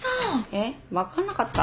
えっ分かんなかった？